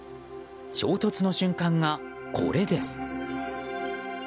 衝突の瞬間がこれです。